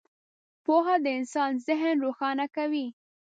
• پوهه د انسان ذهن روښانه کوي.